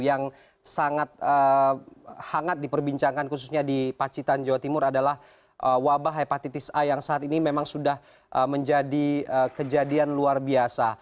yang sangat hangat diperbincangkan khususnya di pacitan jawa timur adalah wabah hepatitis a yang saat ini memang sudah menjadi kejadian luar biasa